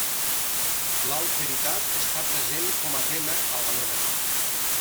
L'alteritat està present com a tema a la novel·la.